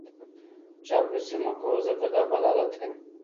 چاپلوسي مه کوه ځکه دا بد عادت دی.